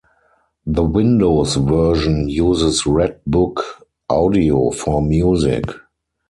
The Windows version uses Red Book audio for music.